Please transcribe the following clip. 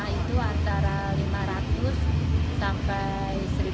itu antara rp lima ratus sampai rp satu